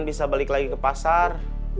bisa balik lagi ke pasar